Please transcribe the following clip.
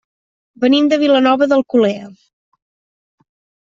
Venim de Vilanova d'Alcolea.